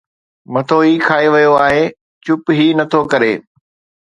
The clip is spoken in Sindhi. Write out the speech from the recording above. مٿو ئي کائي ويو آهي چپ هي نٿو ڪري